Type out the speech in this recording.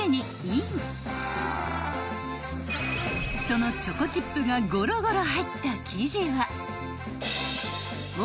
［そのチョコチップがゴロゴロ入った］